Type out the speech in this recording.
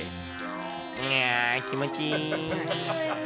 いやー、気持ちいい。